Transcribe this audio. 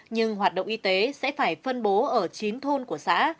nhưng hoạt động y tế sẽ phải phân bố ở chín thôn của xã